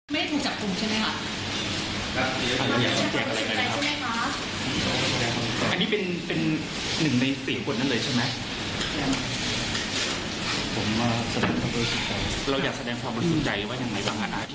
เดี๋ยวเดี๋ยว